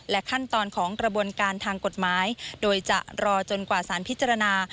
ขั้นตอนของกระบวนการทางกฎหมายโดยจะรอจนกว่าสารพิจารณา